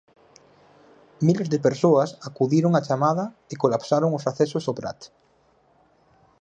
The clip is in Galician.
Miles de persoas acudiron á chamada e colapsaron os accesos ao Prat.